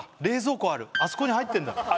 あそこに入ってんだ